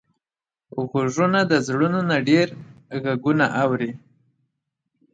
غوږونه د زړونو نه ډېر غږونه اوري